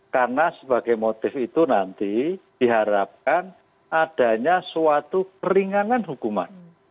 karena sebagai motif itu nanti diharapkan adanya suatu peringangan hukuman